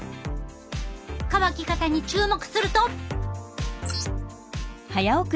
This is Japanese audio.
乾き方に注目すると。